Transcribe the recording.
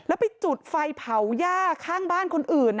แล้วไปจุดไฟเผาหญ้าข้างบ้านคนอื่น